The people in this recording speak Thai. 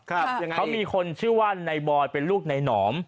ครับยังไงอีกเขามีคนชื่อว่าไนบอยเป็นลูกไนหนอม